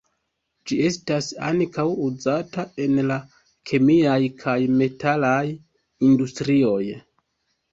Ĝi estas ankaŭ uzata en la kemiaj kaj metalaj industrioj.